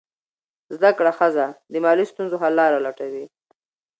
زده کړه ښځه د مالي ستونزو حل لاره لټوي.